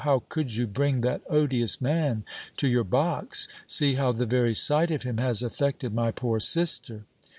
how could you bring that odious man to your box! See how the very sight of him has affected my poor sister!"